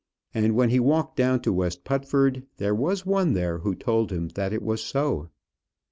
And when he walked down to West Putford there was one there who told him that it was so.